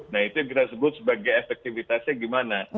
nah itu yang kita sebut sebagai efektivitasnya gimana